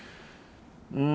うん。